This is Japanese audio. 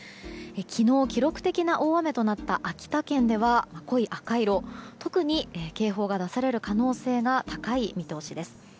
昨日、記録的な大雨となった秋田県では濃い赤色特に警報が出される可能性が高い見通しです。